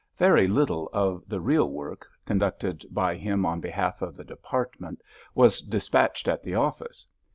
Very little of the real work, conducted by him on behalf of the Department, was dispatched at the office.